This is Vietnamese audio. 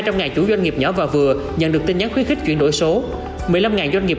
ngàn chủ doanh nghiệp nhỏ và vừa nhận được tin nhắn khuyến khích chuyển đổi số một mươi năm ngàn doanh nghiệp